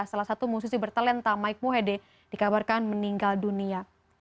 salah satu musisi bertalenta mike mohede dikabarkan meninggal dunia